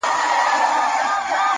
پوهه د پرمختګ تلپاتې ملګرې ده